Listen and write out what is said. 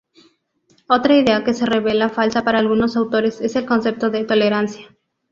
Otra idea que se revela falsa para algunos autores es el concepto de "tolerancia".